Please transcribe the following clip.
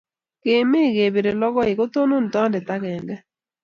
Keme kepire lokoi, kotonon tondet agenge